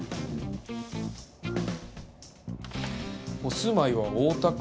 ・お住まいは大田区。